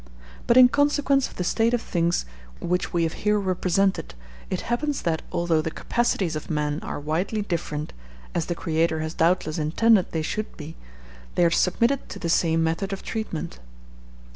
But in consequence of the state of things which we have here represented it happens that, although the capacities of men are widely different, as the Creator has doubtless intended they should be, they are submitted to the same method of treatment.